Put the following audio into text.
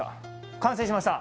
完成しました